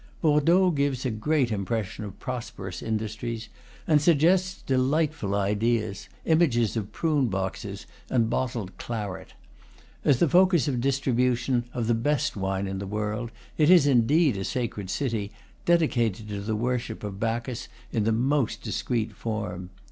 Bordeaux gives a great impression of prosperous industries, and suggests delightful ideas, images of prune boxes and bottled claret. As the focus of distribution of the best wine in the world, it is in deed a sacred city, dedicated to the worship of Bacchus in the most discreet form.